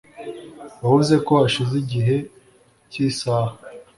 wavuze ko hashize igice cy'isaha